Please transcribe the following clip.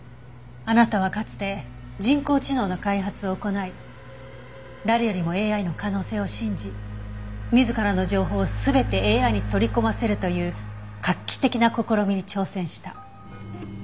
あなたはかつて人工知能の開発を行い誰よりもＡＩの可能性を信じ自らの情報を全てＡＩに取り込ませるという画期的な試みに挑戦した。